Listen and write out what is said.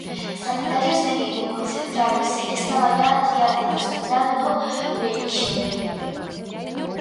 Sanitarios de Vigo concentráronse esta mañá diante do hospital do Meixoeiro.